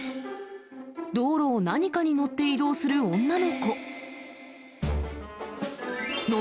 道路を何かに乗って移動する女の子。